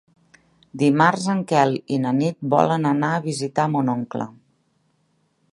Dimarts en Quel i na Nit volen anar a visitar mon oncle.